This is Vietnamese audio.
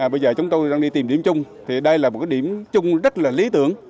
bây giờ chúng tôi đang đi tìm điểm chung thì đây là một cái điểm chung rất là lý tưởng